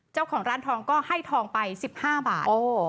เจ้าของร้านทองก็ให้ทองไป๑๕บาท